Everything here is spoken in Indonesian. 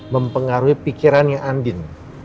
mempengaruhi pikirannya andin